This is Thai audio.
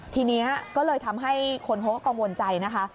ทีนี้ก็เลยทำให้คนเขาก็กังวลใจนะคะ